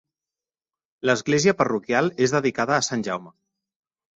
L'església parroquial és dedicada a Sant Jaume.